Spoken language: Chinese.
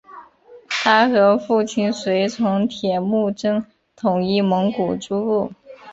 他和父亲随从铁木真统一蒙古诸部。